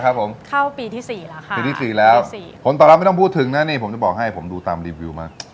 คนต่อแล้วไม่ต้องพูดถึงผมจะบอกให้ผมดูตามรีวิวมา